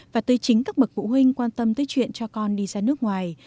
và tới chính các bậc phụ huynh quan tâm tới chuyện cho con đi ra nước ngoài